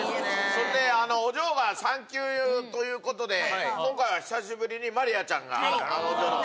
それでお嬢が産休ということで今回は久しぶりにまりあちゃんがお嬢の代わりに。